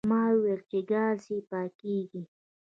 ما، ما ويل چې کارېز پاکيږي.